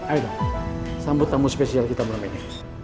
ayo dong sambut tamu spesial kita malam ini